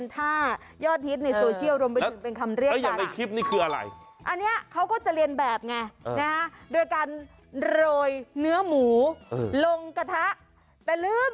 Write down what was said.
ตาดูให้ดีนะดูเอานะจับขึ้นมาแล้วโกยขึ้นมาแล้ว